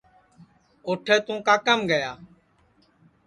اوٹھے تُوں کاکام گیا